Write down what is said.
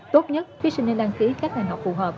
tốt nhất thí sinh nên đăng ký các ngành học phù hợp